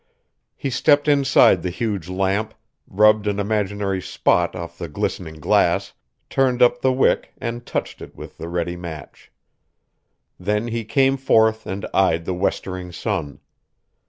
He stepped inside the huge lamp, rubbed an imaginary spot off the glistening glass, turned up the wick and touched it with the ready match. Then he came forth and eyed the westering sun.